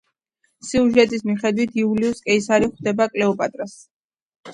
სიუჟეტის მიხედვით, იულიუს კეისარი ხვდება კლეოპატრას.